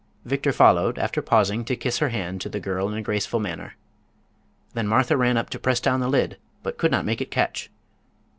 Victor followed after pausing to kiss her hand to the girl in a graceful manner. Then Martha ran up to press down the lid, but could not make it catch.